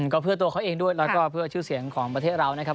ก็เพื่อตัวเขาเองด้วยแล้วก็เพื่อชื่อเสียงของประเทศเรานะครับ